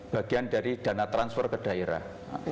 bagian dari dana transfer ke daerah